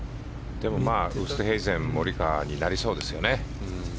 でもウーストヘイゼンモリカワになりそうですよね。